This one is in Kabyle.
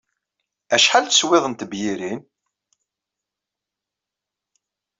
Acḥal teswiḍ n tebyirin?